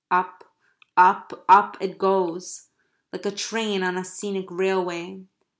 Up, up, up, it goes, like a train on a scenic railway.